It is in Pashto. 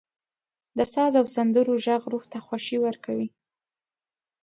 • د ساز او سندرو ږغ روح ته خوښي ورکوي.